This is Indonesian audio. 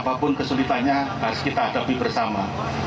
apapun kesulitannya harus kita hadapi bersama